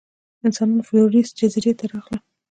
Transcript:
انسانان فلورېس جزیرې ته راغلل.